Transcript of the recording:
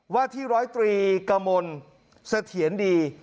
ว่าที่ร้อยตรีกมลเสถียรดี